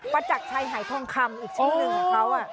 ประจักษ์ชัยไห่ทองคำอีกชื่อหนึ่งของเขา